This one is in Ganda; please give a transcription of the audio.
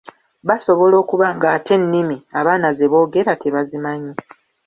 Basobola okuba ng'ate ennimi abaana ze boogera tebazimanyi.